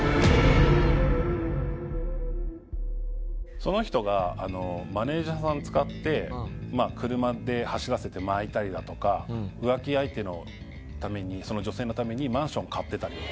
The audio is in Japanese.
その人がマネジャーさん使って車で走らせてまいたりだとか浮気相手のその女性のためにマンション買ってたりとか。